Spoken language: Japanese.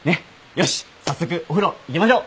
よし早速お風呂行きましょ。